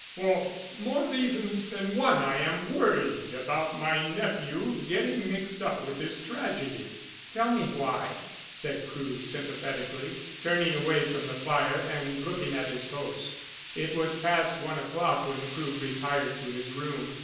"For more reasons than one I am worried about my nephew getting mixed up with this tragedy." "Tell me why," said Crewe sympathetically, turning away from the fire and looking at his host. It was past one o'clock when Crewe retired to his room.